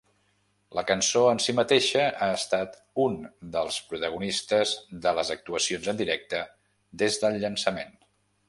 La cançó en si mateixa ha estat un dels protagonistes de les actuacions en directe des del llançament.